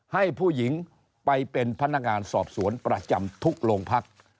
ให้ผู้หญิงไปเป็นพนักงานสอบสวนประจำทุกโรงพัก